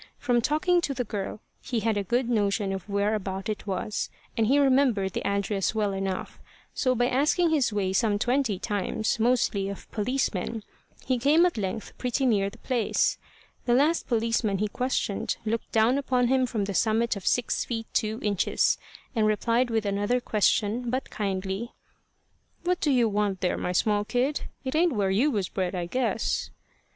From talking to the girl he had a good notion of where about it was, and he remembered the address well enough; so by asking his way some twenty times, mostly of policemen, he came at length pretty near the place. The last policeman he questioned looked down upon him from the summit of six feet two inches, and replied with another question, but kindly: "What do you want there, my small kid? It ain't where you was bred, I guess."